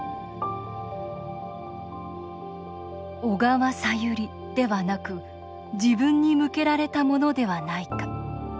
「小川さゆり」ではなく自分に向けられたものではないか。